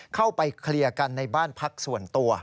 เข้าไปเคลียร์กันในบ้านพักส่วนตัว